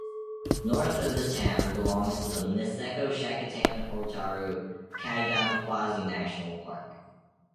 North of the town belongs to the Niseko-Shakotan-Otaru Kaigan Quasi-National Park.